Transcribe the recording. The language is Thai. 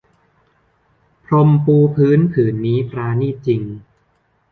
พรมปูพื้นผืนนี้ปราณีตจริง